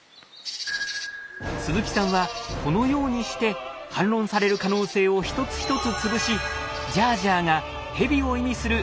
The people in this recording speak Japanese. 鈴木さんはこのようにして反論される可能性を一つ一つ潰し「ジャージャー」がヘビを意味する